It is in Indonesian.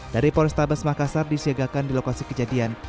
dari polrestabes makassar disiagakan di lokasi kejadian